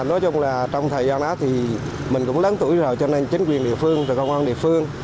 nói chung là trong thời gian đó thì mình cũng lớn tuổi rồi cho nên chính quyền địa phương rồi công an địa phương